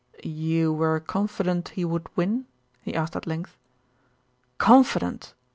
"You were confident he would win?" he asked at length. "Confident!"